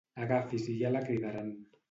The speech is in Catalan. Agafi's i ja la cridaran.